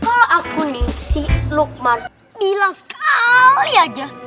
kalau aku nih si lukman bilang sekali aja